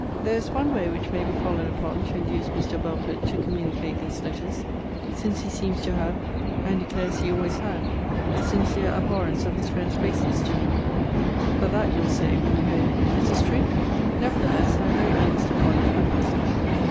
There is one way which may be fallen upon to induce Mr. Belford to communicate these letters; since he seems to have (and declares he always had) a sincere abhorrence of his friend's baseness to me: but that, you'll say, when you hear it, is a strange one. Nevertheless, I am very earnest upon it at present.